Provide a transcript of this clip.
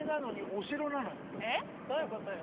えっ？どういうことよ？